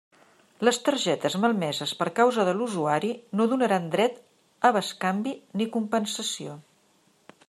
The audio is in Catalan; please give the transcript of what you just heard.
Les targetes malmeses per causa de l'usuari no donaran dret a bescanvi ni compensació.